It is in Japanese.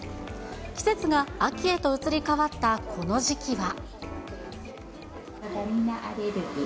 季節が秋へと移り変わったこの時期は。